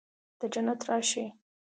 د جنت راشي